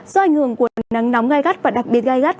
do ảnh hưởng của nắng nóng gai gắt và đặc biệt gai gắt